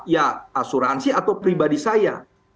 ya asuransi atau pribadi saya